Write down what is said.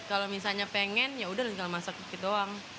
kalau misalnya pengen ya udah tinggal masak sedikit doang